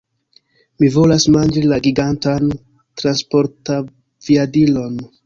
Mi volas manĝi la gigantan transportaviadilon!